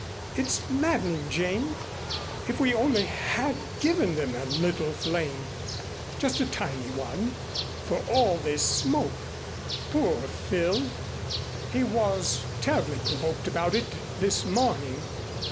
It's maddening, Jane. If we only had given them a little flame, just a tiny one for all this smoke! Poor Phil! He was terribly provoked about it this morning.